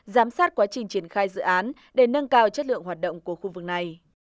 giám sát quá trình triển khai dự án để nâng cao chất lượng hoạt động của khu vực này